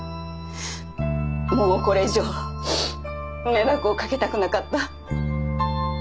もうこれ以上迷惑をかけたくなかった。